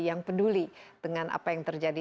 yang peduli dengan apa yang terjadi